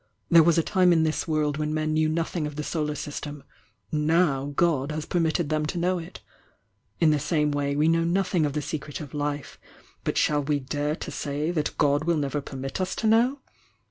There was a tune in this world when men knew nothing of ttie solar ^stem, now God has permitted them to know it Tthe'same way we know nothing of the secret o life but shall we dare to say that God will never pemU us to know?